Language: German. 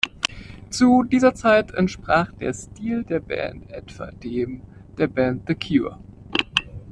Zu dieser Zeit entsprach der Stil der Band etwa dem der Band The Cure.